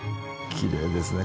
きれいですね。